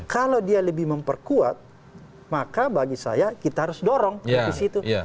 kalau dia lebih memperkuat maka bagi saya kita harus dorong revisi itu